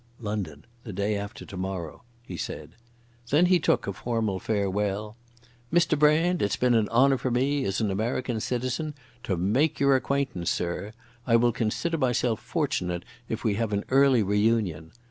"London ... the day after tomorrow," he said. Then he took a formal farewell. "Mr Brand, it's been an honour for me, as an American citizen, to make your acquaintance, sir. I will consider myself fortunate if we have an early reunion.